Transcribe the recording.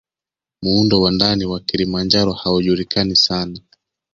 Muundo wa ndani wa Kilimanjaro haujulikani sana